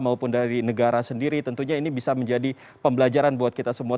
maupun dari negara sendiri tentunya ini bisa menjadi pembelajaran buat kita semua